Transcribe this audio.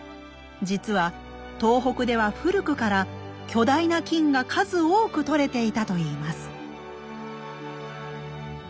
実は東北では古くから巨大な金が数多く採れていたといいます。